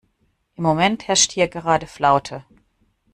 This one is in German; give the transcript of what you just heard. Im Moment herrscht hier gerade Flaute.